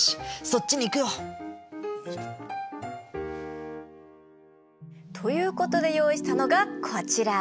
そっちに行くよ。ということで用意したのがこちら。